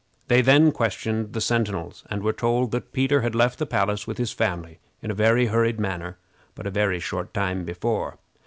They then questioned the sentinels, and were told that Peter had left the palace with his family in a very hurried manner but a very short time before.